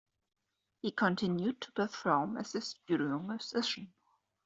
He continued to perform as a studio musician.